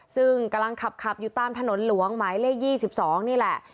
ซึ่งกำลังขับอยู่ตามถนนหลวงหมายเลข๒๒นี่แหละ